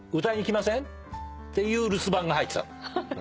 歌いに来ません？」っていう留守番が入ってたの。